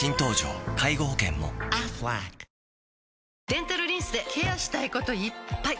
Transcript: デンタルリンスでケアしたいこといっぱい！